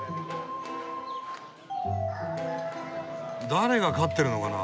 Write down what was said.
誰が飼ってるのかな？